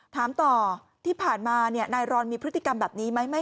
ถามต่อที่ผ่านมานายรอนมีพฤติกรรมแบบนี้ไหม